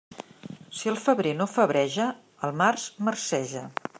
Si el febrer no febreja, el març marceja.